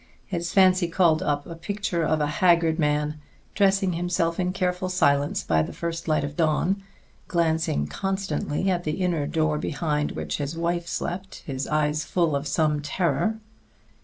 His fancy called up a picture of a haggard man dressing himself in careful silence by the first light of dawn, glancing constantly at the inner door behind which his wife slept, his eyes full of some terror.